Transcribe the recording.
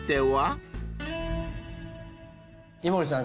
井森さん